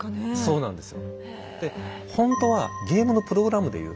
そうなんです。